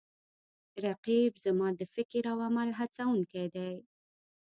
رقیب زما د فکر او عمل هڅوونکی دی